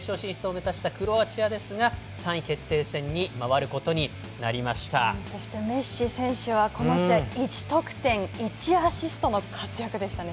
目指したクロアチアですが３位決定戦にそしてメッシ選手はこの試合、１得点１アシストの活躍でしたね。